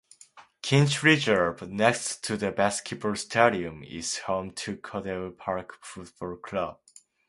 Kinch Reserve, next to the Basketball Stadium, is home to Condell Park Football Club.